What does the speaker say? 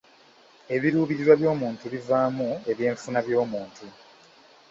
Ebiruubirirwa by'omuntu bivaamu eby'enfuna by'omuntu.